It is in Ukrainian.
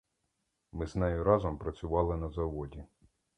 Ми з нею разом працювали на заводі.